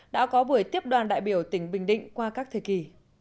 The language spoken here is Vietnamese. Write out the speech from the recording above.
đã có buổi tiếp đoàn đại biểu tỉnh bình định qua các thời kỳ